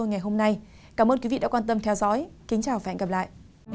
xin chào và hẹn gặp lại